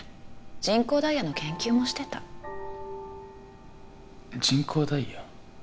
人工ダイヤの研究もしてた人工ダイヤ？